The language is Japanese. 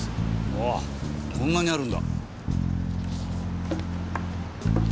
うわこんなにあるんだ。